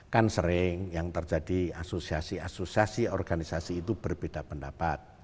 kan sering yang terjadi asosiasi asosiasi organisasi itu berbeda pendapat